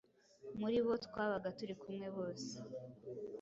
Muri bo twabaga turi kumwe bose